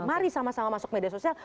mari sama sama masuk media sosial